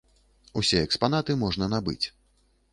Усе экспанаты можна набыць.